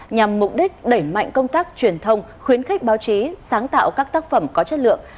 nhằm mục đích đẩy mạnh công tác truyền thông khuyến khích báo chí sáng tạo các tác phẩm có chất lượng